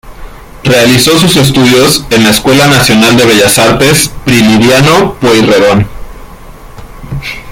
Realizó sus estudios en la Escuela Nacional de Bellas Artes Prilidiano Pueyrredón.